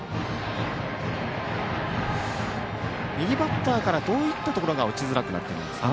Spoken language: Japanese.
右バッターからどういったところが打ちづらくなっているんですか？